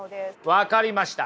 分かりました。